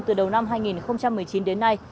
từ đầu năm hai nghìn một mươi chín đến nay